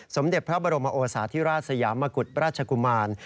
สมเด็จพระบรมโอสาธิราชสยามกุฎราชกุมาร